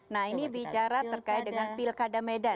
nah ini bicara terkait dengan pilkada medan